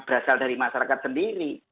berasal dari masyarakat sendiri